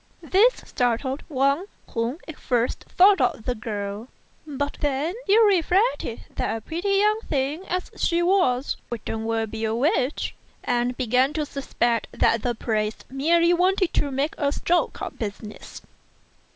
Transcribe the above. This startled Wang, who at first thought of the girl; but then he reflected that a pretty young thing as she was couldn't well be a witch, and began to suspect that the priest merely wanted to do a stroke of business.